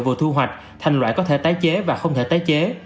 vừa thu hoạch thành loại có thể tái chế và không thể tái chế